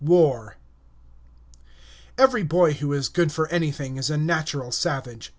WAR Every boy who is good for anything is a natural savage.